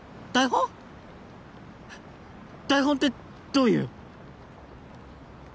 ⁉台本ってどういう？